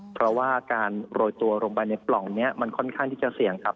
เพราะว่าการโรยตัวลงไปในปล่องนี้มันค่อนข้างที่จะเสี่ยงครับ